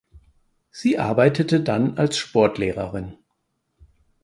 Sie arbeitete dann als Sportlehrerin.